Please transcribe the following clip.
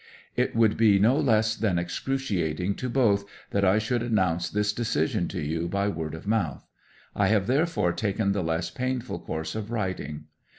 "It would be no less than excruciating to both that I should announce this decision to you by word of mouth. I have therefore taken the less painful course of writing.